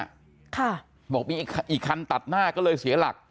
บอกว่ามีอีกคันตัดหน้าก็เลยเสียหลัก